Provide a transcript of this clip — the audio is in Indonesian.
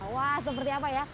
wah seperti apa ya